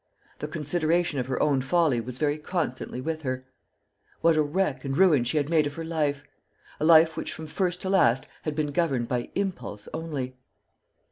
The consideration of her own folly was very constantly with her. What a wreck and ruin she had made of her life a life which from first to last had been governed by impulse only!